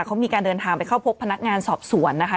เขามีการเดินทางไปเข้าพบพนักงานสอบสวนนะคะ